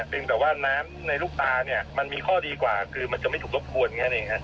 เป็นแปลว่าน้ำในลูกตาเนี่ยมันมีข้อดีกว่าคือมันจะไม่ถูกรบบวลข้างนี้